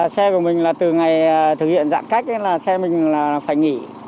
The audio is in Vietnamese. xe của mình là từ ngày thực hiện giãn cách là xe mình là phải nghỉ